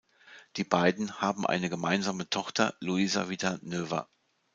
Die beiden haben eine gemeinsame Tochter, Louisa Vita Noever.